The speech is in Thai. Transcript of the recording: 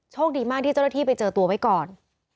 โชคดีมากที่เจ้าหน้าที่ไปเจอตัวไว้ก่อน